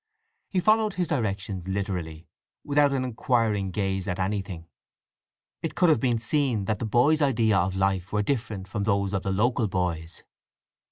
He followed his directions literally, without an inquiring gaze at anything. It could have been seen that the boy's ideas of life were different from those of the local boys.